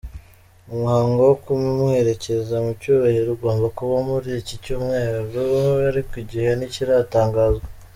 Umuhango wo kumuherekeza mu cyubahiro ugomba kuba muri iki cyumweru ariko igihe ntikiratangazwa.